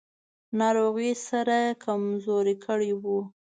ناروغۍ سره کمزوری کړی و.